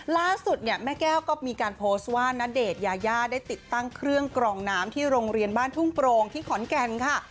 ล่าสุดเนี่ยแม่แก้วก็มีการโพสต์ว่าณเดชน์ยายาได้ติดตั้งเครื่องกรองน้ำที่โรงเรียนบ้านทุ่งโปร่งที่ขอนแก่นค่ะ